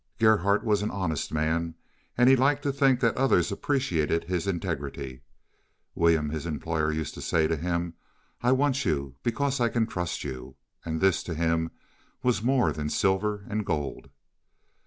Gerhardt was an honest man, and he liked to think that others appreciated his integrity. "William," his employer used to say to him, "I want you because I can trust you," and this, to him, was more than silver and gold.